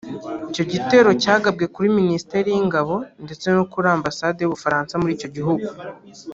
Icyo gitero cyagabwe kuri Minisiteri y’Ingabo ndetse no kuri Ambasade y’u Bufaransa muri icyo gihugu